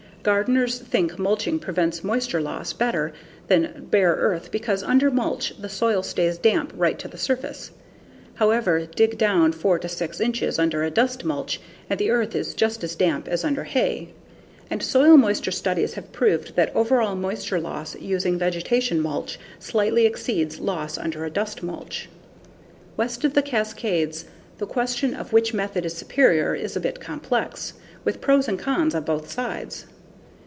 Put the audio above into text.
Gardeners think mulching prevents moisture loss better than bare earth because under mulch the soil stays damp right to the surface. However, dig down 4 to 6 inches under a dust mulch and the earth is just as damp as under hay. And, soil moisture studies have proved that overall moisture loss using vegetation mulch slightly exceeds loss under a dust mulch. West of the Cascades, the question of which method is superior is a bit complex, with pros and cons on both sides.